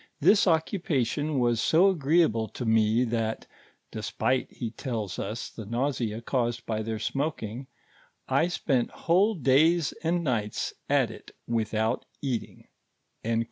.... This occupation was so agree able to me, that [despite, he tells us, the nausea caused by their smoking] I spent whole days and nights at it without eating."